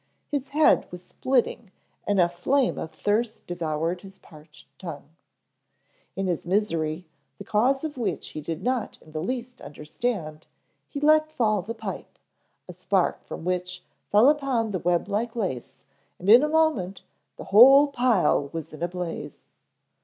His head was splitting and a flame of thirst devoured his parched tongue. In his misery, the cause of which he did not in the least understand, he let fall the pipe, a spark from which fell upon the web like lace and in a moment the whole pile was in a blaze.